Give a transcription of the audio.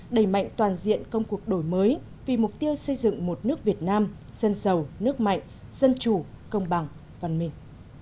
đẩy mạnh toàn diện công cuộc đổi mới vì mục tiêu xây dựng một nước việt nam dân giàu nước mạnh dân chủ công bằng văn minh